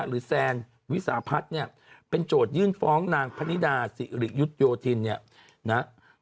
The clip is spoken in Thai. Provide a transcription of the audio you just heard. แซนวิสาพัฒน์เนี่ยเป็นโจทยื่นฟ้องนางพนิดาสิริยุทธโยธินเนี่ยนะ